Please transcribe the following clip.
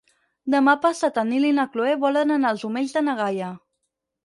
Demà passat en Nil i na Cloè volen anar als Omells de na Gaia.